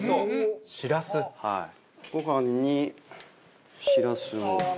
ご飯にしらすを。